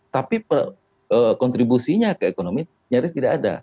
tapi kontribusinya ke ekonomi nyaris tidak ada